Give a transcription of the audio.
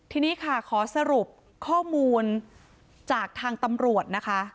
ทีนี้ค่ะขอสรุปข้อมูลจากทางตำรวจนะคะ